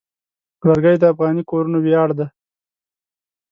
لرګی د افغاني کورنو ویاړ دی.